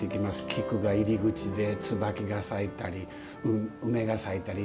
菊が入り口でつばきが咲いたり、梅が咲いたり。